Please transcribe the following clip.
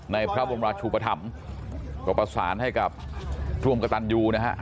ในพระบรมราชุปธรรมก็ประสานให้กับร่วมกระตันยูนะฮะ